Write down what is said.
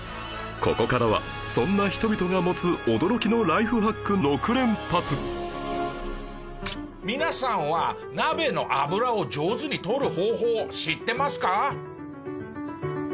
ここからはそんな人々が持つ皆さんは鍋の油を上手に取る方法知ってますか？